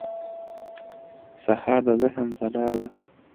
سهار د ذهن ځلا ده.